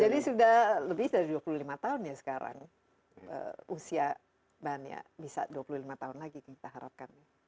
jadi sudah lebih dari dua puluh lima tahun ya sekarang usia bahannya bisa dua puluh lima tahun lagi kita harapkan